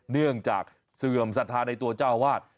เนื่องจากเสื่อมสถานในตัวเจ้าวาด